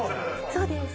そうです